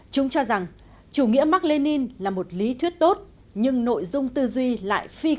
chúng cho rằng chủ nghĩa mark lenin là một lý thuyết tốt nhưng nội dung tư duy lại phi